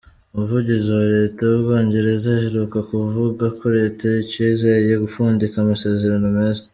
Umuvugizi wa leta y'Ubwongereza aheruka kuvuga ko leta "icizeye gupfundika amasezerano meza".